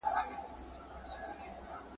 تر بام لاندي یې مخلوق تر نظر تېر کړ ,